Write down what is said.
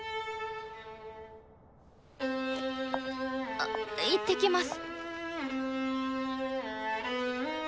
あ行ってきます。